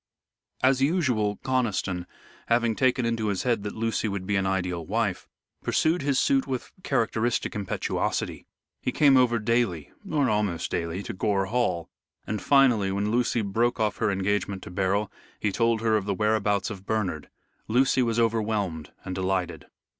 As usual, Conniston, having taken into his head that Lucy would be an ideal wife, pursued his suit with characteristic impetuosity. He came over daily or almost daily to Gore Hall, and, finally, when Lucy broke off her engagement to Beryl, he told her of the whereabouts of Bernard. Lucy was overwhelmed and delighted.